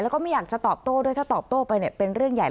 แล้วก็ไม่อยากจะตอบโต้ด้วยถ้าตอบโต้ไปเนี่ยเป็นเรื่องใหญ่